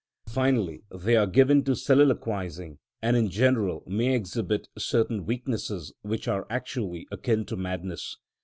Finally, they are given to soliloquising, and in general may exhibit certain weaknesses which are actually akin to madness.